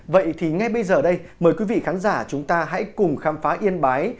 vậy thì ngay bây giờ đây mời quý vị khán giả chúng ta hãy cùng khám phá yên bái